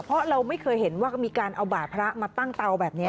เพราะเราไม่เคยเห็นว่ามีการเอาบาดพระมาตั้งเตาแบบนี้